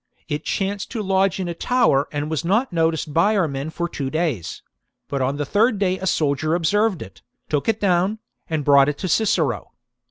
It chanced to lodge in a tower and was not noticed by our men for two days ; but on the third day a soldier observed it, took it down, and brought it to Cicero.